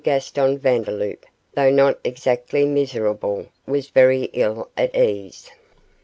Gaston Vandeloup, though not exactly miserable, was very ill at ease.